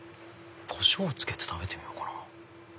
こしょうつけて食べてみようか。